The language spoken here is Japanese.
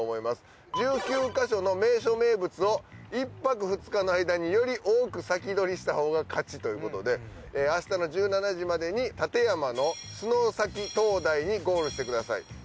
１９ヵ所の名所名物を１泊２日の間により多く先取りしたほうが勝ちということで明日の１７時までに館山の洲埼灯台にゴールしてください。